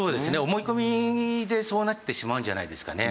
思い込みでそうなってしまうんじゃないですかね。